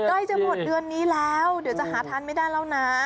ใกล้จะหมดเดือนนี้แล้วเดี๋ยวจะหาทานไม่ได้แล้วนะ